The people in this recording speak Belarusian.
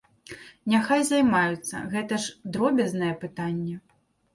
Няхай займаюцца, гэта ж дробязнае пытанне.